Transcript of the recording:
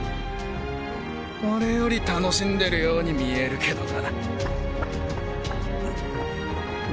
俺より楽しんでるように見えるけどな。